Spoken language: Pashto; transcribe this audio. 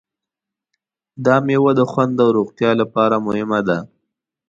دا مېوه د خوند او روغتیا لپاره مهمه ده.